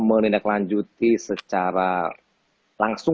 menindaklanjuti secara langsung